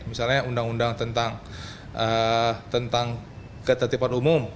misalnya undang undang tentang ketertiban umum